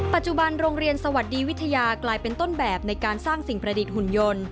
ปัจจุบันโรงเรียนสวัสดีวิทยากลายเป็นต้นแบบในการสร้างสิ่งประดิษฐ์หุ่นยนต์